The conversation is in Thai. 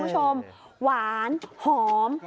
หวานหอม